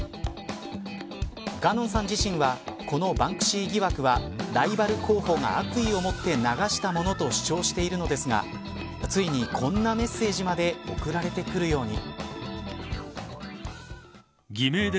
ガノンさん自身はこのバンクシー疑惑はライバル候補が悪意を持って流したものと主張しているのですがついにこんなメッセージまで送られてくるように。